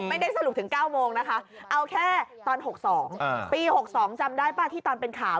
ไม่ได้สรุปถึง๙โมงนะคะเอาแค่ตอน๖๒ปี๖๒จำได้ป่ะที่ตอนเป็นข่าว